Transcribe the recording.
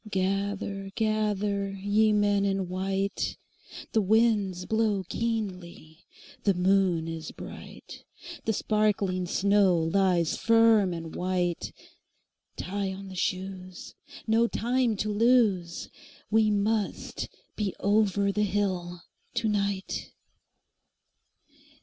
Gather, gather, ye men in white; The winds blow keenly, the moon is bright, The sparkling snow lies firm and white; Tie on the shoes, no time to lose, We must be over the hill to night.